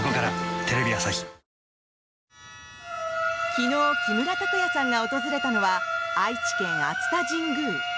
昨日、木村拓哉さんが訪れたのは愛知県熱田神宮。